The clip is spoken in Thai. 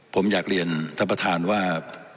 ผมอยากเรียนท่านประธานว่า